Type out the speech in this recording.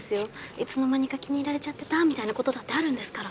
いつの間にか気に入られちゃってたみたいなことだってあるんですから。